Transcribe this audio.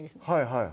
はい